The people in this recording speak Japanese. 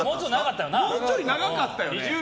もうちょい長かったよね。